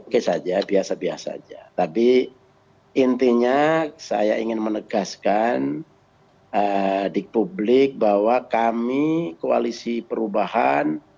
oke saja biasa biasa saja tapi intinya saya ingin menegaskan di publik bahwa kami koalisi perubahan